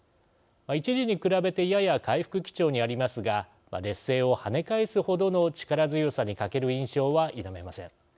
一時に比べてやや回復基調にありますが劣勢を、跳ね返すほどの力強さに欠ける印象は否めません。